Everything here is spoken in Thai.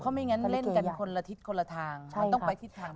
ไม่งั้นเล่นกันคนละทิศคนละทางมันต้องไปทิศทาง